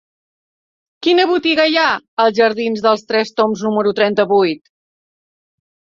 Quina botiga hi ha als jardins dels Tres Tombs número trenta-vuit?